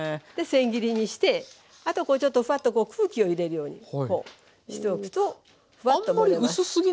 でせん切りにしてあとこうちょっとフワッと空気を入れるようにこうしておくとフワッと盛れます。